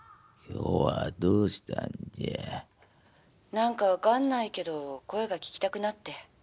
「何か分かんないけど声が聞きたくなって」。